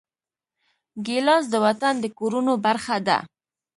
ګیلاس د وطن د کورونو برخه ده.